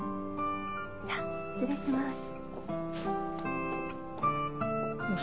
じゃあ失礼します。